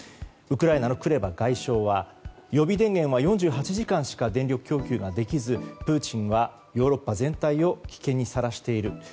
ウクライナのクレバ外相は予備電源は４８時間しか電力供給ができずプーチンはヨーロッパ全体を危険にさらしている。